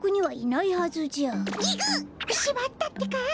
ギクッ！しまったってか！